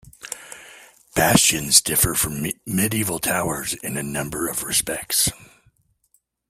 Bastions differ from medieval towers in a number of respects.